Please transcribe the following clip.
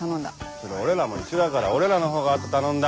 それ俺らも一緒だから俺らのほうが後頼んだ。